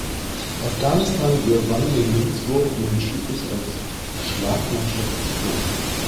Afghanistan gewann den Münzwurf und entschied sich als Schlagmannschaft zu beginnen.